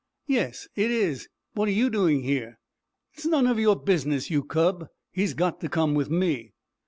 "Yes, it is. What are you doing here?" "It is none of your business, you cub. He's got to come with me."